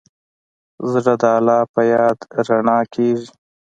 زړه د الله په یاد رڼا کېږي.